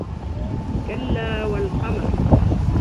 كَلَّا وَالْقَمَرِ